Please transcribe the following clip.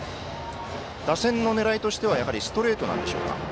打線の狙いとしてはやはりストレートなんでしょうか。